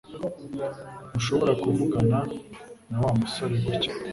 Ntushobora kuvugana na Wa musore gutya